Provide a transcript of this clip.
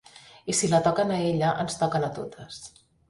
I si la toquen a ella ens toquen a totes.